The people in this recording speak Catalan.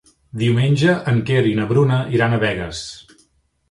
Diumenge en Quer i na Bruna aniran a Begues.